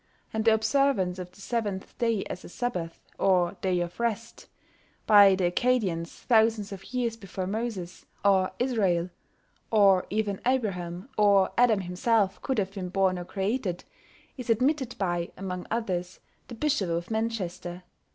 And the observance of the seventh day as a Sabbath, or day of rest, by the Accadians thousands of years before Moses, or Israel, or even Abraham, or Adam himself could have been born or created, is admitted by, among others, the Bishop of Manchester.